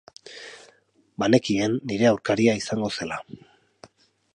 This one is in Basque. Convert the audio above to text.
Banekien nire aurkaria izango zela.